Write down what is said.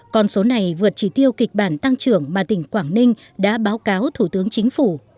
con số này vượt chỉ tiêu kịch bản tăng trưởng mà tỉnh quảng ninh đã báo cáo thủ tướng chính phủ